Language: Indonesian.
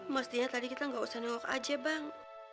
mestinya tadi kita gak usah nyokok aja bang